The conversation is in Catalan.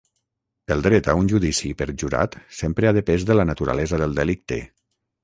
El dret a un judici per jurat sempre ha depès de la naturalesa del delicte.